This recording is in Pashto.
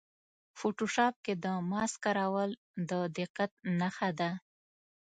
فوټوشاپ کې د ماسک کارول د دقت نښه ده.